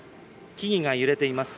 木々が揺れています。